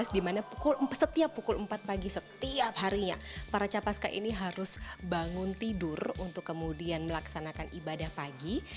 di mana setiap pukul empat pagi setiap harinya para capaska ini harus bangun tidur untuk kemudian melaksanakan ibadah pagi